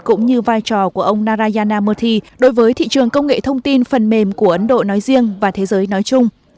cũng như vai trò của ông narayana mothi đối với thị trường công nghệ thông tin phần mềm của ấn độ nói riêng và thế giới nói chung